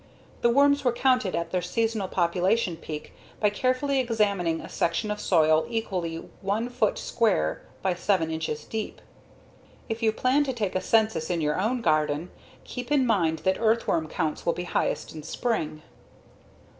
The worms were counted at their seasonal population peak by carefully examining a section of soil exactly one foot square by seven inches deep. If you plan to take a census in your own garden, keep in mind that earthworm counts will be highest in spring.